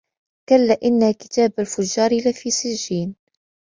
كلا إن كتاب الفجار لفي سجين